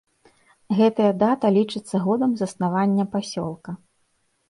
Гэтая дата лічыцца годам заснавання пасёлка.